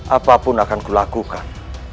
apapun akan kulakukan